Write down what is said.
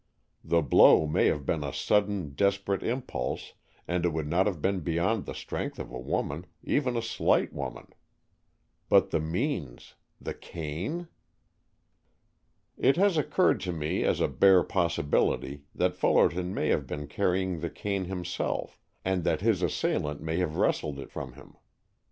The blow may have been a sudden, desperate impulse, and it would not have been beyond the strength of a woman, even a slight woman. But the means, the cane?" "It has occurred to me as a bare possibility that Fullerton may have been carrying the cane himself, and that his assailant may have wrested it from him.